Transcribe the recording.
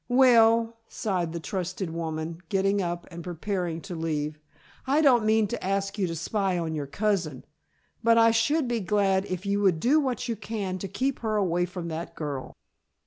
"Well," sighed the trusted woman, getting up and preparing to leave, "I don't mean to ask you to spy on your cousin, but I should be glad if you will do what you can to keep her away from that girl."